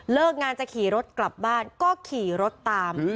งานจะขี่รถกลับบ้านก็ขี่รถตาม